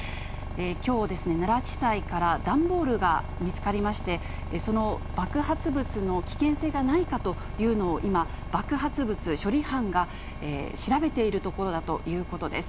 きょうですね、奈良地裁から段ボールが見つかりまして、その爆発物の危険性がないかというのを今、爆発物処理班が調べているところだということです。